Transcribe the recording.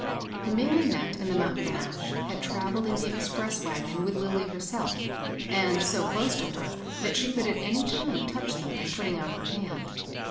The mignonette and the mountain ash had travelled in the expresa wagon with Lilly herself, and so close to her that she could at any time touch them by putting out her hand.